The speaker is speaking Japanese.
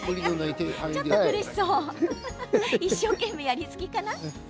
ちょっと苦しそう一生懸命やりすぎかな。